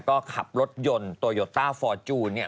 ก็ขับรถยนต์โตโยต้าฟอร์จูน